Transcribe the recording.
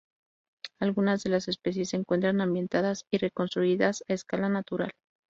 Algunas de las especies se encuentran ambientadas y reconstruidas a escala natural.